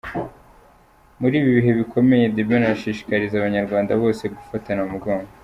Muri ibi bihe bikomeye, The Ben arashishikariza Abanyarwanda bose gufatana mu mugongo.